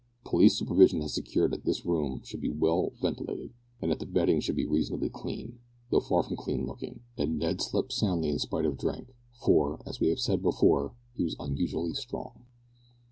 Police supervision had secured that this room should be well ventilated, and that the bedding should be reasonably clean, though far from clean looking, and Ned slept soundly in spite of drink, for, as we have said before, he was unusually strong.